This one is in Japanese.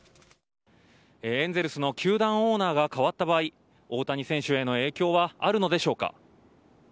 エンゼルスの球団オーナーがかわった場合大谷選手への影響はあるのでしょうか。